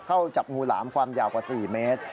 เข้าจับงูหลามความยาวกว่า๔เมตร